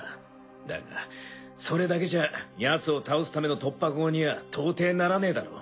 だがそれだけじゃヤツを倒すための突破口には到底ならねえだろう。